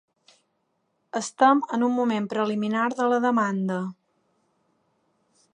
Estem en un moment preliminar de la demanda